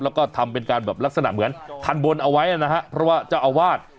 แล้วก็ทำเป็นการแบบลักษณะเหมือนทันบนเอาไว้นะฮะเพราะว่าเจ้าอาวาส